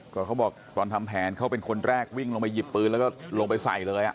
ก็เขาบอกตอนทำแผนเขาเป็นคนแรกวิ่งลงไปหยิบปืนแล้วก็ลงไปใส่เลย